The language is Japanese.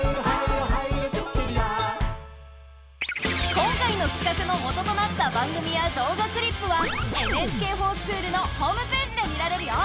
今回のきかくの元となった番組や動画クリップは「ＮＨＫｆｏｒＳｃｈｏｏｌ」のホームページで見られるよ。